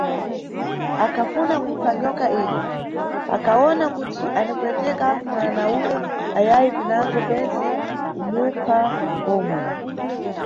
Akhafuna kupha nyoka ire, akhawona kuti anipweteka mwana ule ayayi pinango pentse kumupha pomwe.